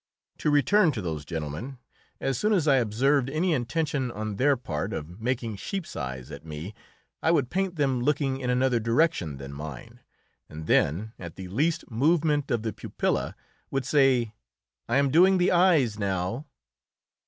To return to those gentlemen. As soon as I observed any intention on their part of making sheep's eyes at me, I would paint them looking in another direction than mine, and then, at the least movement of the pupilla, would say, "I am doing the eyes now."